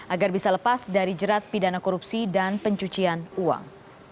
agar bisa lepas dari jerat pidana korupsi dan pencucian uang